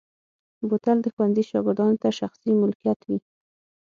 بوتل د ښوونځي شاګردانو ته شخصي ملکیت وي.